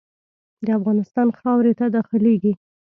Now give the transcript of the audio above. د افغانستان خاورې ته داخلیږي.